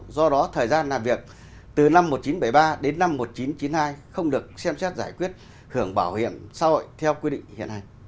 do đó thời gian làm việc từ năm một nghìn chín trăm bảy mươi ba đến năm một nghìn chín trăm chín mươi hai không được xem xét giải quyết hưởng bảo hiểm xã hội theo quy định hiện hành